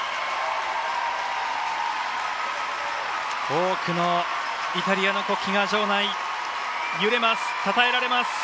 多くのイタリアの国旗が場内、揺れます。